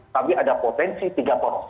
tapi ada potensi tiga poros